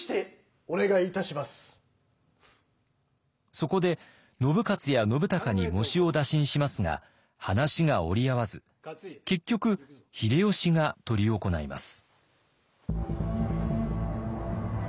そこで信雄や信孝に喪主を打診しますが話が折り合わず結局秀吉が執り行います。